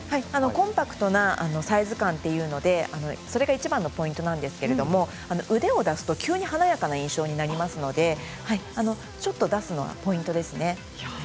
コンパクトなサイズ感というので、それがいちばんのポイントなんですけれども腕を出すと急に華やかな印象になりますのでちょっと出すのがポイントですね。